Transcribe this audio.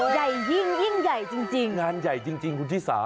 ใหญ่ยิ่งยิ่งใหญ่จริงงานใหญ่จริงคุณชิสา